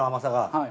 はい。